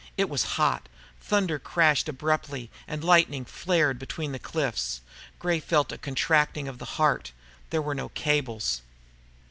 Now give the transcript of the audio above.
It was hot. Thunder crashed abruptly, and lightning flared between the cliffs. Gray felt a contracting of the heart. There were no cables.